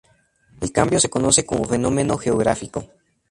El cambio se conoce como fenómeno geográfico.